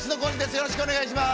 よろしくお願いします。